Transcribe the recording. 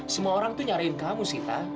semua orang itu mencari kamu sita